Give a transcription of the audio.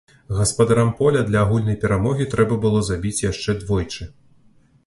Гаспадарам поля для агульнай перамогі трэба было забіць яшчэ двойчы.